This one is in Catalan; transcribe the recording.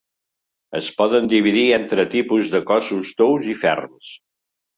Es poden dividir entre tipus de cossos tous i ferms.